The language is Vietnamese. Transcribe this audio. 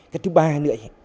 cái thứ ba nữa